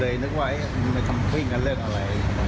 ตอนนั้นเขาเอ่ยใจออกมาดูหรือเปล่าครับ